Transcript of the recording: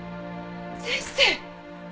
先生！